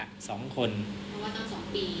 เพราะว่าต้อง๒ปี